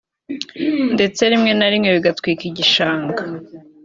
ndetse rimwe na rimwe bagatwika igishanga